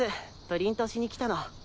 プリントしにきたの。